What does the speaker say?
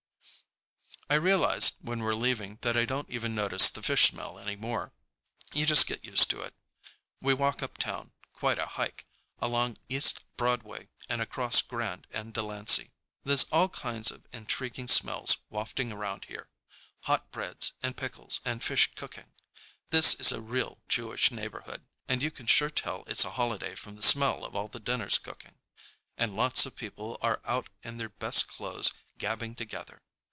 I realize when we're leaving that I don't even notice the fish smell anymore. You just get used to it. We walk uptown, quite a hike, along East Broadway and across Grand and Delancey. There's all kinds of intriguing smells wafting around here: hot breads and pickles and fish cooking. This is a real Jewish neighborhood, and you can sure tell it's a holiday from the smell of all the dinners cooking. And lots of people are out in their best clothes gabbing together.